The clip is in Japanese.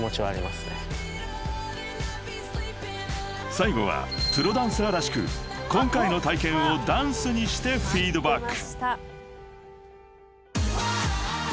［最後はプロダンサーらしく今回の体験をダンスにしてフィードバック］